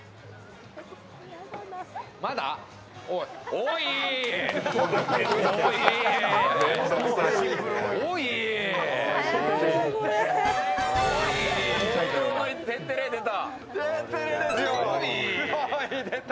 「おい」出た。